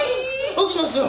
起きてますよ！